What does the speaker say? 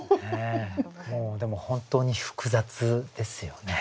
でも本当に複雑ですよね。